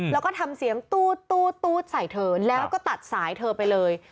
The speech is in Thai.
แล้วก็ทำเสียงตู้ดใส่เธอแล้วก็ตัดสายเธอไปเลย